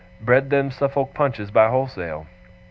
'Bred them Suffolk Punches by wholesale?